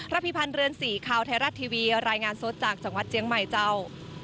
พิพันธ์เรือนสีข่าวไทยรัฐทีวีรายงานสดจากจังหวัดเจียงใหม่เจ้า